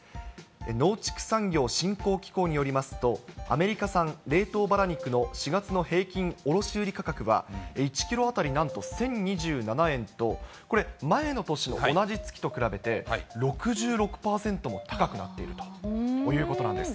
農畜産業振興機構によりますと、アメリカ産冷凍ばら肉の４月の平均卸売価格は、１キロ当たりなんと１０２７円と、これ、前の年の同じ月と比べて６６％も高くなっているということなんです。